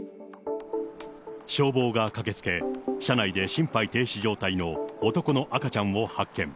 消防が駆けつけ、車内で心肺停止状態の男の赤ちゃんを発見。